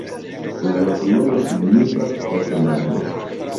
La loknomo signifas: fasonado.